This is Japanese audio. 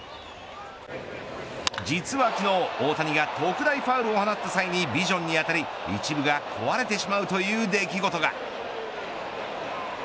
実は昨日大谷が特大ファウルを放った際にビジョンに当たり、一部が壊れてしまうという出来事が。